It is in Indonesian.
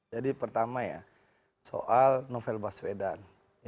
jadi pertama ya soal novel baswedan